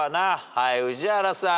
はい宇治原さん。